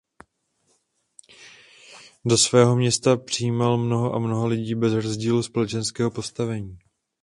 Do svého města přijímal mnoho a mnoho lidí bez rozdílu společenského postavení.